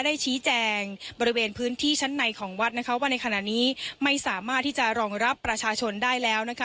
ได้ชี้แจงบริเวณพื้นที่ชั้นในของวัดนะคะว่าในขณะนี้ไม่สามารถที่จะรองรับประชาชนได้แล้วนะคะ